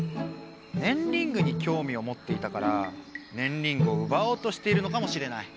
ねんリングにきょうみをもっていたからねんリングをうばおうとしているのかもしれない。